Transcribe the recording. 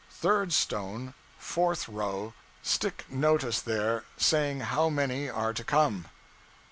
Third stone, fourth row. Stick notice there, saying how many are to come.'